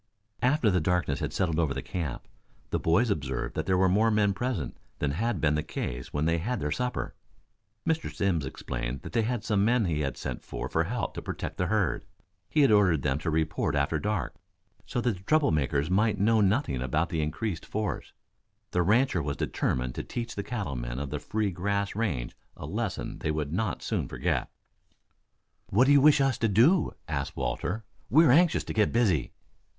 After the darkness had settled over the camp, the boys observed that there were more men present than had been the case when they had their supper. Mr. Simms explained that they were some men he had sent for to help protect the herd. He had ordered them to report after dark, so that the trouble makers might know nothing about the increased force. The rancher was determined to teach the cattle men of the free grass range a lesson they would not soon forget. "What do you wish us to do?" asked Walter. "We are anxious to get busy."